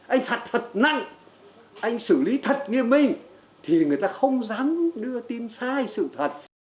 anh phạt thật nặng anh xử lý thật nghiêm minh thì người ta không dám đưa tin sai sự thật